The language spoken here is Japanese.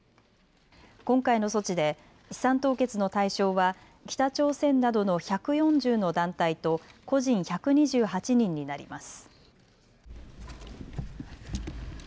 今回の措置で資産凍結の対象は北朝鮮などの１４０の団体と個人１２８人になります。